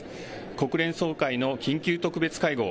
国連総会の緊急特別会合。